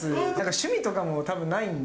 趣味とかもたぶんないんで。